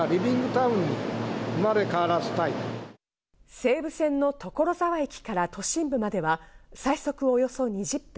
西武線の所沢駅から都心部までは最速およそ２０分。